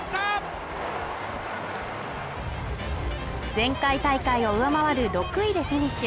前回大会を上回る６位でフィニッシュ